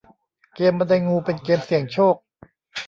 เกมส์บันไดงูเป็นเกมส์เสี่ยงโชค